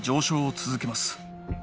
続けます